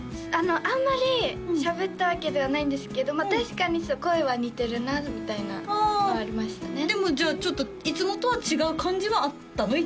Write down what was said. あんまりしゃべったわけではないんですけど確かに声は似てるなみたいなあでもじゃあいつもとは違う感じはあったの？